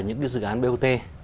những cái dự án bot